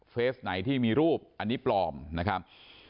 ไหนที่มีรูปอันนี้ปลอมนะครับ